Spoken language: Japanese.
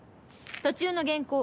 途中の原稿